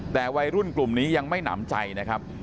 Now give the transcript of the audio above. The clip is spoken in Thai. แต่วัยรุ่นกลุ่มนี้ยังไม่หนำใจนะครับ